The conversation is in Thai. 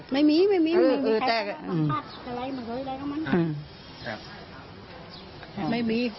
ไม่มีไม่มีไม่มี